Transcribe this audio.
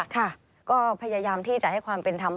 ค่ะก็พยายามที่จะให้ความเป็นธรรม